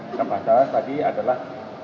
bapak kapasana tadi adalah